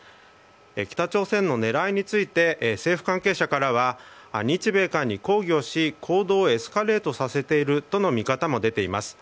北朝鮮の狙いについて政府関係者からは日米韓に抗議をし行動をエスカレートさせているとの見方も出ています。